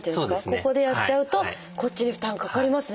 ここでやっちゃうとこっちに負担かかりますね